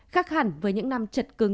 khác hẳn với những năm chật cứng